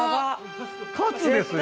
カツですよ